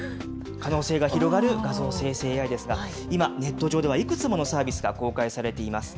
可能性が広がる画像生成ＡＩですが、今、ネット上ではいくつものサービスが公開されています。